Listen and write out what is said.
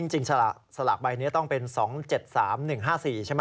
จริงสลากใบนี้ต้องเป็น๒๗๓๑๕๔ใช่ไหม